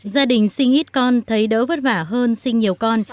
gia đình sinh ít con thấy đỡ vất vả hơn sinh nhiều con